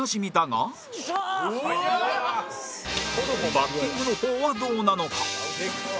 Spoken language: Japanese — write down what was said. バッティングの方はどうなのか？